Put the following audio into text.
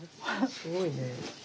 すごいね。